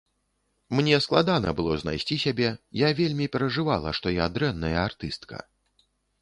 Мне складана было знайсці сябе, я вельмі перажывала, што я дрэнная артыстка.